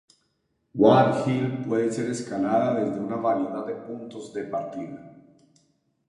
Ward Hill puede ser escalada desde una variedad de puntos de partida.